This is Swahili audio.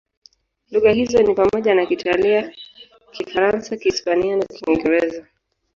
Lugha hizo ni pamoja na Kiitalia, Kifaransa, Kihispania na Kiingereza.